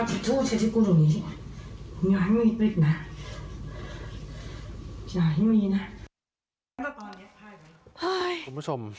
ย้ายมีนะ